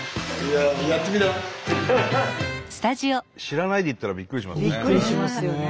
知らないで行ったらびっくりしますね。